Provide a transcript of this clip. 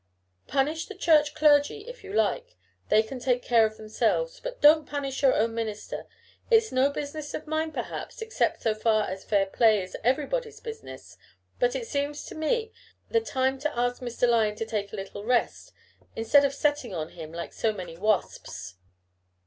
Punish the Church clergy, if you like they can take care of themselves. But don't punish your own minister. It's no business of mine, perhaps, except so far as fair play is everybody's business; but it seems to me the time to ask Mr. Lyon to take a little rest, instead of setting on him like so many wasps."